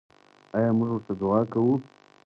آیا موږ ورته دعا کوو؟